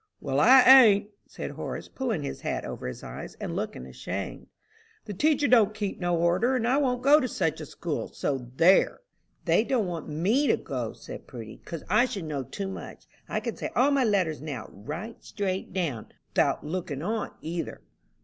"Well, I ain't," said Horace, pulling his hat over his eyes, and looking ashamed. "The teacher don't keep no order, and I won't go to such a school, so there!" "They don't want me to go," said Prudy, "'cause I should know too much. I can say all my letters now, right down straight, 'thout looking on, either."